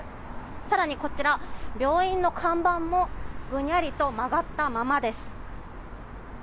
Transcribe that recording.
更に、こちら病院の看板もぐにゃりと曲がったままです。